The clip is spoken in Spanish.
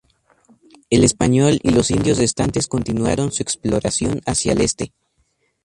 El español y los indios restantes continuaron su exploración hacia el este.